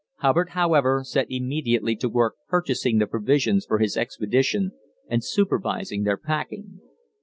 Hubbard, however, set immediately to work purchasing the provisions for his expedition and supervising their packing.